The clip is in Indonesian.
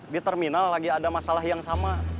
di terminal lagi ada masalah yang sama